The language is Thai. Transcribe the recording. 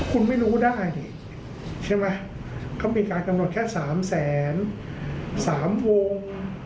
คุณไม่รู้ได้เขามีการกำหนดแค่๓แสน๓วง